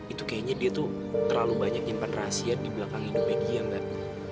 itu kayaknya dia tuh terlalu banyak nyimpan rahasia di belakang invedia mbak